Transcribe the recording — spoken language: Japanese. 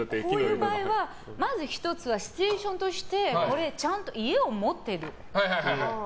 まず１つはシチュエーションとしてちゃんと家を持っている。